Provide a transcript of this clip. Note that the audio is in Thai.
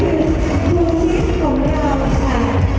และนี่คือคู่ที่ผมแค่แล้วค่ะ